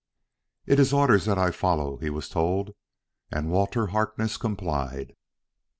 "It is orders that I follow," he was told. And Walter Harkness complied.